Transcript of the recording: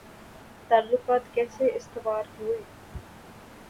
تعلقات کیسے استوار ہوئے